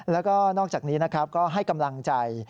แล้วก็นอกจากนี้นะครับก็ให้กำลังใจ